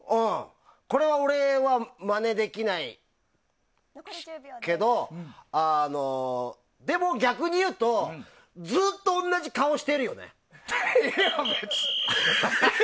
これは俺はまねできないけどでも、逆にいうとずっと同じ顔してるよね。